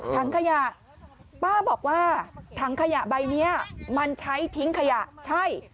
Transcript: ถังขยะป้าบอกว่าถังขยะใบนี้มันใช้ทิ้งขยะใช่